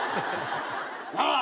なあ。